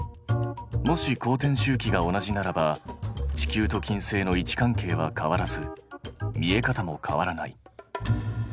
もし公転周期が同じならば地球と金星の位置関係は変わらず見え方も変わらない。